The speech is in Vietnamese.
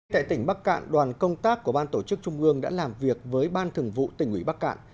tại tỉnh bắc cạn đoàn công tác của ban tổ chức trung ương đã làm việc với ban thường vụ tỉnh ủy bắc cạn